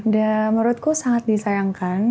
dan menurutku sangat disayangkan